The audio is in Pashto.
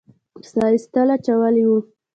ساه ایستلو اچولي وو.